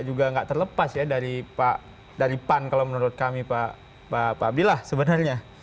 juga nggak terlepas ya dari pan kalau menurut kami pak abdillah sebenarnya